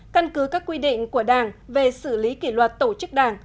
căn cứ các quy định của đảng về xử lý kỷ luật tổ chức đảng